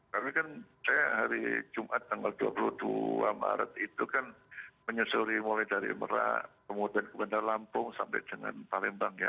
karena kan saya hari jumat tanggal dua puluh dua maret itu kan menyusuri mulai dari merah kemudian ke bandar lampung sampai dengan palembang ya